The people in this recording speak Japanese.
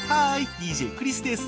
ＤＪクリスです。